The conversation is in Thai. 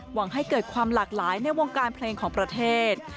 หวังให้เกิดความหลากหลายในวงการเพลงของประเทศ